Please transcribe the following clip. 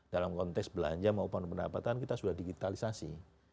dalam konteks belanja maupun pendapatan kita sudah digitalisasi